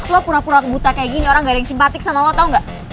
lo pura pura buta kayak gini orang gak ada yang simpatik sama lo tau gak